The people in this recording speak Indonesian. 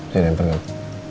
bisa dihempel gak